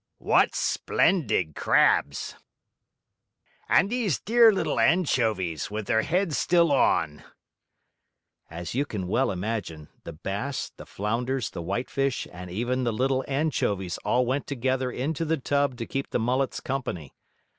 "What splendid crabs!" "And these dear little anchovies, with their heads still on!" As you can well imagine, the bass, the flounders, the whitefish, and even the little anchovies all went together into the tub to keep the mullets company.